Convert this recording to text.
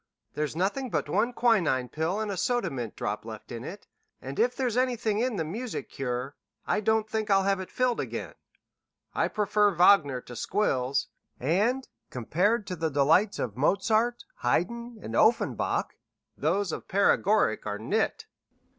There's nothing but one quinine pill and a soda mint drop left in it, and if there's anything in the music cure, I don't think I'll have it filled again. I prefer Wagner to squills, and, compared to the delights of Mozart, Hayden, and Offenbach, those of paregoric are nit."